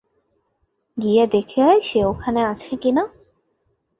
গিয়ে দেখে আয় সে ওখানে আছে কি-না।